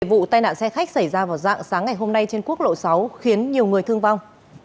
vụ tai nạn xe khách xảy ra vào dạng sáng ngày hôm nay trên quốc lộ sáu khiến nhiều người thương vong